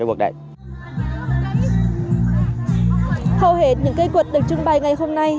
được trưng bày ngày hôm nay